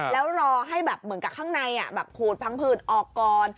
แล้วรอให้แบบเหมือนกับข้างในแบบขูดพังผื่นออกก่อน